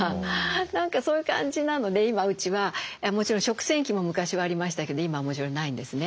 何かそういう感じなので今うちはもちろん食洗器も昔はありましたけど今はもちろんないんですね。